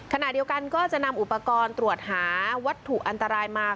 ขณะเดียวกันก็จะนำอุปกรณ์ตรวจหาวัตถุอันตรายมา